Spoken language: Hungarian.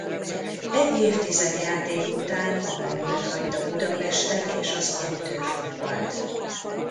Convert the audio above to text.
Egy évtized játék után maga mögött hagyta Budapestet és az amatőr futballt.